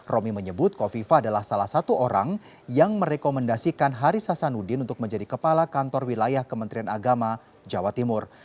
romi menyebut kofifa adalah salah satu orang yang merekomendasikan haris hasanuddin untuk menjadi kepala kantor wilayah kementerian agama jawa timur